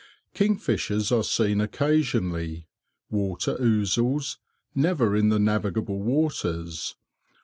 Kingfishers are seen occasionally; water ouzels never in the navigable waters.